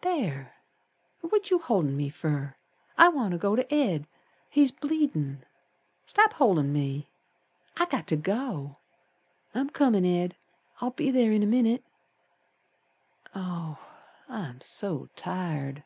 There! What you holdin' me fer? I want ter go to Ed, He's bleedin'. Stop holdin' me. I got to go. I'm comin', Ed. I'll be ther in a minit. Oh, I'm so tired!